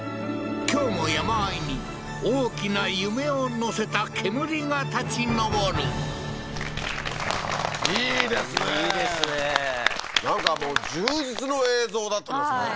今日も山あいに大きな夢を乗せた煙が立ち上るいいですねいいですねなんかもう充実の映像だったですね